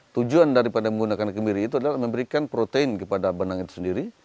tujuan daripada menggunakan kemiri itu adalah memberikan protein kepada benang itu sendiri